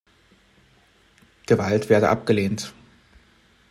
Gewalt werde abgelehnt.